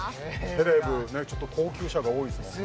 セレブ高級車が多いですもんね